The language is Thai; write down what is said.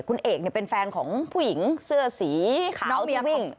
คุณเอกเป็นแฟนของผู้หญิงเสื้อสีขาววิ่ง